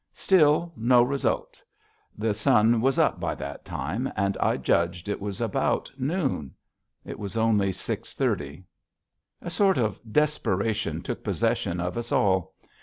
Still no result. The sun was up by that time, and I judged that it was about noon. It was only six thirty. A sort of desperation took possession of us all.